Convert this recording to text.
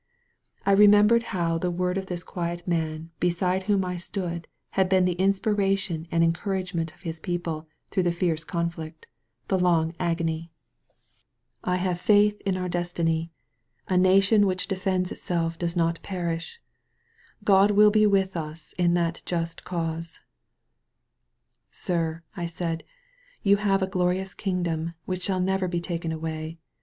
I remembered how the word of 71 THE VALLEY OF VISION this quiet man beside whom I stood had been the inspiration and encouragement of his people through the fierce conflict, the Icmg agony: I have faith in our destiny; a nation which defends iUelf does not perish; God toill be wUh us in that just cause. Sir/' I said» '^ou have a glorious kingdom which shall never be taken away.